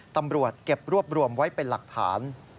ตำรวจเก็บรวบรวมไว้เป็นหลักฐาน